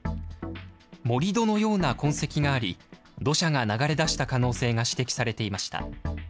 盛り土のような痕跡があり、土砂が流れ出した可能性が指摘されていました。